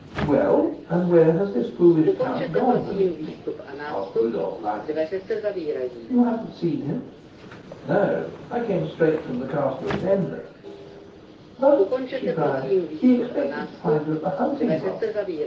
"Well, and where has this foolish count gone to meet me?" asked Rudolf lightly. "You haven't seen him?" "No; I came straight from the Castle of Zenda." "But," she cried, "he expected to find you at the hunting lodge.